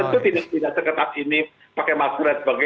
tentu tidak seketat ini pakai maksimal sebagai